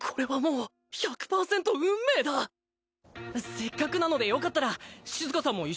せっかくなのでよかったらシズカさんも一緒にグンマー。